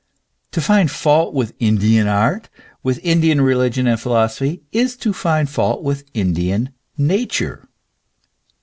To find fault with Indian art, with Indian religion and philosophy, is to find fault with Indian Nature.